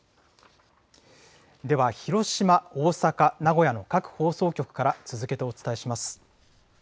では、広島、大阪、名古屋の各放送局から続けてお伝えします。